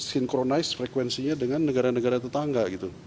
itu tidak akan sinkronis frekuensinya dengan negara negara tetangga